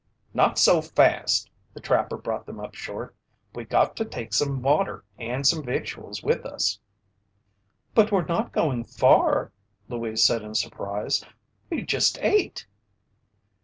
"Not so fast!" the trapper brought them up short. "We got to take some water and some victuals with us." "But we're not going far," Louise said in surprise. "We just ate."